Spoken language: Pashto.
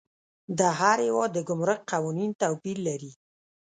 د هر هیواد د ګمرک قوانین توپیر لري.